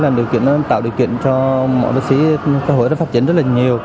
nó tạo điều kiện cho mọi bác sĩ cơ hội phát triển rất là nhiều